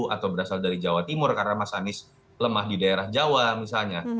atau berasal dari jawa timur karena mas anies lemah di daerah jawa misalnya